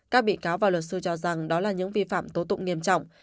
các bị cáo và luật sư cho rằng đó là những vi phạm tố tụng nghiêm trọng